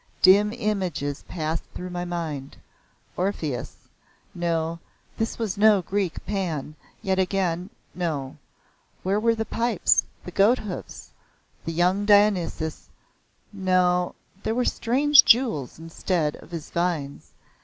Dim images passed through my mind. Orpheus No, this was no Greek. Pan yet again, No. Where were the pipes, the goat hoofs? The young Dionysos No, there were strange jewels instead of his vines.